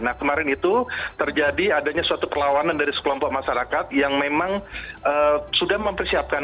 nah kemarin itu terjadi adanya suatu perlawanan dari sekelompok masyarakat yang memang sudah mempersiapkan